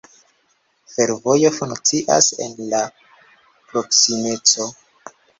Fervojo funkcias en la proksimeco.